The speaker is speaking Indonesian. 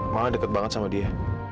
malah deket banget sama dia